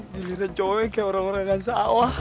lirik cowoknya orang orang yang sawah